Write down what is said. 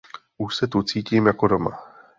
Už se tu cítím jako doma.